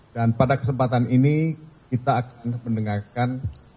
dan pada kesempatan ini kita akan mendengarkan